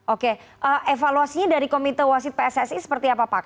oke evaluasinya dari komite wasit pssi seperti apa pak